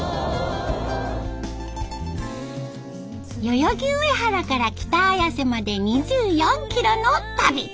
代々木上原から北綾瀬まで２４キロの旅。